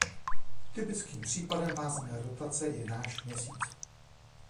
Typickým případem vázané rotace je náš Měsíc.